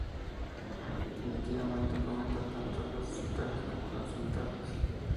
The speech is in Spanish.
Definitivamente comenta tanto las desventajas como las ventajas".